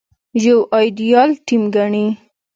يو ايديال ټيم ګڼي.